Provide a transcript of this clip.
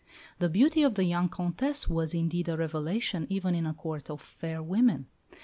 The beauty of the young Comtesse was, indeed, a revelation even in a Court of fair women.